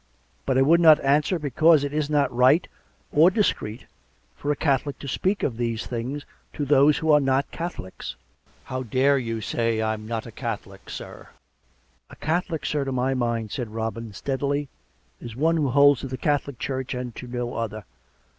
But I would not answ^er, because it is not right or discreet for a Catholic to speak of these things to those who are not Catholics "" How dare you say I am not a Catholic, sir! "" A Catholic, sir, to my mind," said Robin steadily, " is one who holds to the Catholic Church and to no other.